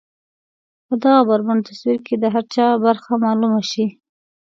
په دغه بربنډ تصوير کې د هر چا برخه معلومه شي.